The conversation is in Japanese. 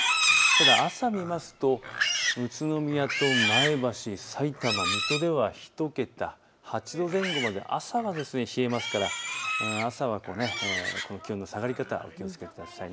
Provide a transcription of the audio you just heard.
ただ朝を見ますと宇都宮と前橋、さいたま、水戸では１桁、８度前後まで朝は冷えますから朝は気温の下がり方、お気をつけください。